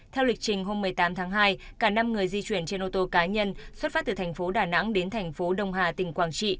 theo lịch trình hôm một mươi tám tháng hai cả năm người di chuyển trên ô tô cá nhân xuất phát từ thành phố đà nẵng đến thành phố đông hà tỉnh quảng trị